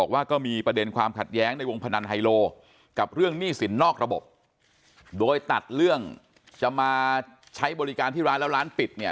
ว่าก็มีประเด็นความขัดแย้งในวงพนันไฮโลกับเรื่องหนี้สินนอกระบบโดยตัดเรื่องจะมาใช้บริการที่ร้านแล้วร้านปิดเนี่ย